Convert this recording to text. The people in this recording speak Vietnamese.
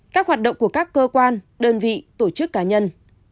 các hoạt động của các cơ quan đơn vị tổ chức cá nhân